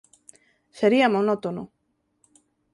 Sería monótono.